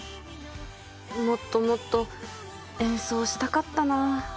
もっともっと演奏したかったな。